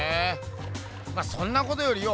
まそんなことよりよ